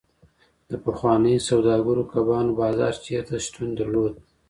د پخوانیو سوداګرو کبانو بازار چیرته شتون درلود؟